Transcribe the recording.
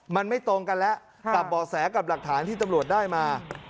มันไม่ตรงกันแล้วกับเบาะแสกับหลักฐานที่ตำรวจได้มา